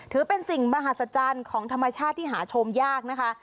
ถือเป็นสิ่งมหัศจรรย์ของธรรมชาติที่หาชมยากนะคะ